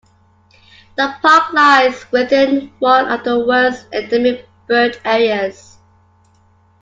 The park lies within one of the world's Endemic Bird Areas.